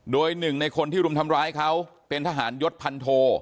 โดยหนึ่งในคนที่รุมทำร้ายเขาเป็นทหารยศพันโท